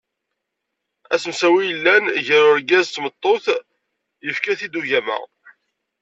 Asemsawi i yellan gar urgaz n tmeṭṭut yefka-t-id ugama.